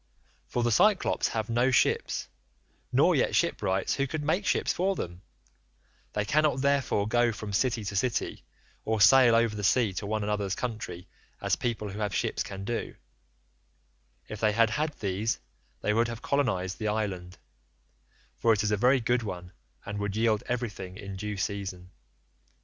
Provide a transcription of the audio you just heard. For the Cyclopes have no ships, nor yet shipwrights who could make ships for them; they cannot therefore go from city to city, or sail over the sea to one another's country as people who have ships can do; if they had had these they would have colonised the island,78 for it is a very good one, and would yield everything in due season.